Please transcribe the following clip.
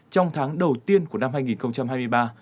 trong tháng đầu tiên của năm hai nghìn hai mươi ba